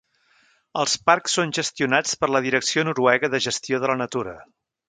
Els parcs són gestionats per la Direcció noruega de gestió de la natura.